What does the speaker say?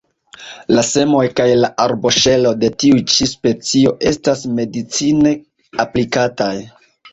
La semoj kaj la arboŝelo de tiu ĉi specio estas medicine aplikataj.